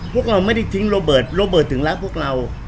พวกเราไม่ได้ทิ้งโรเบิร์ตโรเบิร์ตถึงรักพวกเรา